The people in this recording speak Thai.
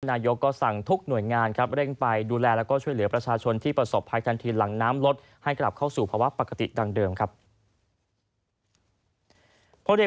นายกก็สั่งทุกหน่วยงานครับเร่งไปดูแลแล้วก็ช่วยเหลือประชาชนที่ประสบภัยทันทีหลังน้ำลดให้กลับเข้าสู่ภาวะปกติดังเดิมครับ